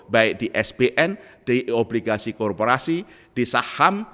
baik di sbn di obligasi korporasi di saham